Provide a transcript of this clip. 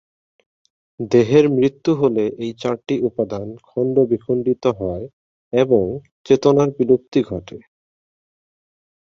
দেহের মৃত্যু হলে এই চারটি উপাদান খন্ড-বিখন্ডিত হয় এবং চেতনার বিলুপ্তি ঘটে।